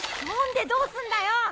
呼んでどうすんだよ！